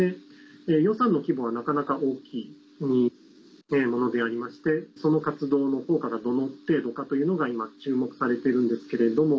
予算の規模はなかなか大きいものでありましてその活動の効果がどの程度かというのが今注目されているんですけれども。